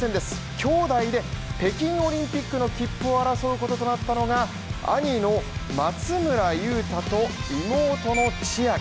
きょうだいで北京オリンピックの切符を争うこととなったのは兄の松村雄太と妹の千秋。